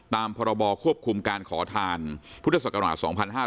ตามพรบควบคุมการขอทานพุทธศักราช๒๕๕๙